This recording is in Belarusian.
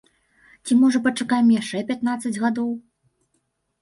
Ці, можа, пачакаем яшчэ пятнаццаць гадоў?